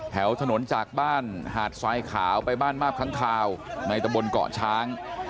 แถวถนนจากบ้านหาดทรายขาวไปบ้านมาบค้างคาวในตะบนเกาะช้าง